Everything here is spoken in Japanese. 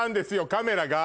カメラが。